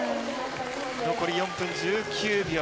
残り４分１９秒。